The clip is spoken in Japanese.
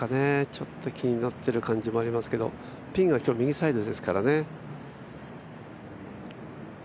ちょっと気になっている感じもありますけど、ピンが今日右サイドですからね。